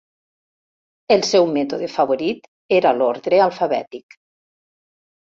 El seu mètode favorit era l'ordre alfabètic.